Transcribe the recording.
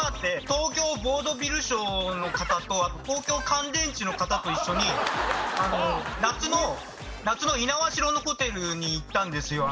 東京ヴォードヴィルショーの方と東京乾電池の方と一緒に夏の猪苗代のホテルに行ったんですよ。